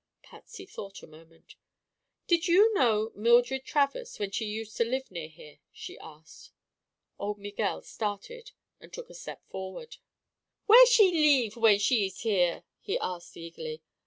Patsy thought a moment. "Did you know Mildred Travers when she used to live near here?" she asked. Old Miguel started and took a step forward. "Where she leeve, when she ees here?" he asked eagerly.